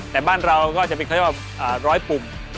แต่บ้านเราก็จะเป็นคำว่าร้อยปุ่ม